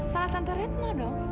salah tante retno dong